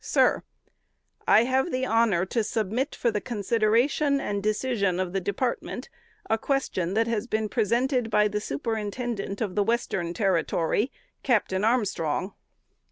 "SIR: I have the honor to submit for the consideration and decision of the Department a question that has been presented by the Superintendent of the Western Territory, (Captain Armstrong.)